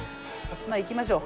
まあいきましょう。